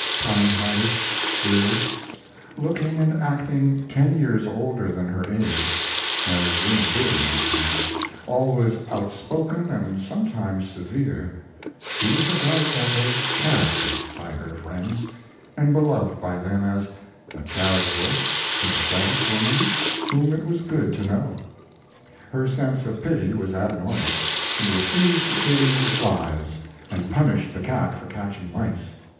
Kind hearted, fearless, looking and acting ten years older than her age, as women did in that time, always outspoken and sometimes severe, she was regarded as a "character" by her friends, and beloved by them as, a charitable, sympathetic woman whom it was good to know. Her sense of pity was abnormal. She refused to kill even flies, and punished the cat for catching mice.